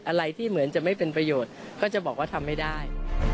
อะไรที่เหมือนจะไม่เป็นประโยชน์ก็จะบอกว่าทำไม่ได้